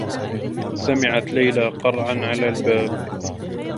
سمعت ليلى قرعا على الباب.